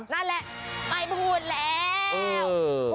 นั่นแหละไม่พูดแล้ว